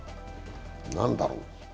何だろう。